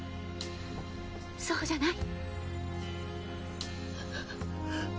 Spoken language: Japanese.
そうじゃない？